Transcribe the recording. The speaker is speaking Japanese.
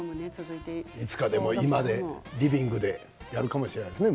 いつかリビングでやるかもしれないですね